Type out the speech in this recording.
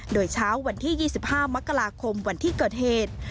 โดยเช้าวันที่๒๕มกราคมวันที่เกิดเหตุ